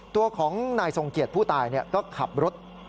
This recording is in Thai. ตัวของนายทรงเกียจผู้ตายก็ขับรถ